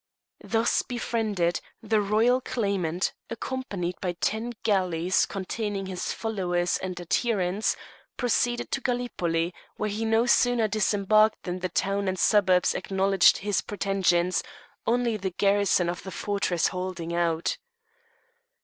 Thus befriended, the royal claimant, accompanied by ten galleys containing his followers and adherents, proceeded to Gallipoli, where he no sooner disembarked than the town and suburbs acknowledged his pretensions, only the garrison of the fortress holding out.